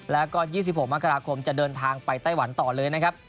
แล้วก็๒๖มกราคมจะเดินทางไปไต้หวันต่อเลยนะครับ